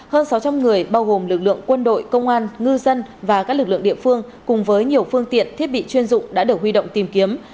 hơn sáu trăm linh người bao gồm lực lượng quân đội công an ngư dân và các lực lượng địa phương cùng với nhiều phương tiện thiết bị chuyên dụng đã được huy động tìm kiếm